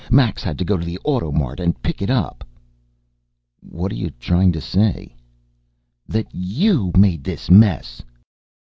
Max had to go to the AutoMart and pick it up!" "What are you trying to say?" "That you made this mess!"